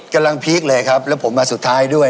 พีคเลยครับแล้วผมมาสุดท้ายด้วย